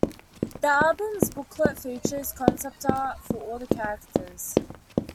The album's booklet features concept art for all the characters.